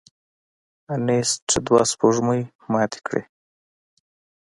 انیسټ دوه سپوږمۍ ماتې کړې.